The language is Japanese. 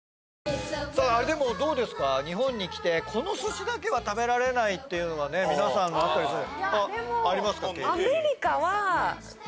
どうですか、日本に来てこの寿司だけは食べられないっていうのは皆さんあったりする？